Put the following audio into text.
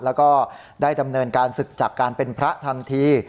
แล้วก็ได้ดำเนินการศึกจากการเป็นพระทันที